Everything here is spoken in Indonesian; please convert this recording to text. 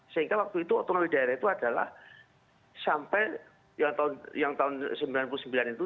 sehingga waktu itu otonomi daerah itu adalah sampai yang tahun sembilan puluh sembilan itu